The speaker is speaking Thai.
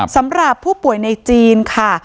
สำหรับผู้ป่วยในจีนค่ะ